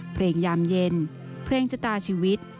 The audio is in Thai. เพลงยามเย็นเพลงจตาชีวิต